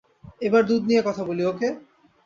এবার দুধ নিয়ে কথা বলি, ওকে?